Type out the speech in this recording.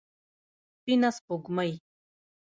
سپينه سپوږمۍ